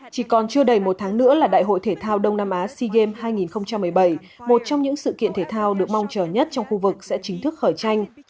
chỉ còn chưa đầy một tháng nữa là đại hội thể thao đông nam á sea games hai nghìn một mươi bảy một trong những sự kiện thể thao được mong chờ nhất trong khu vực sẽ chính thức khởi tranh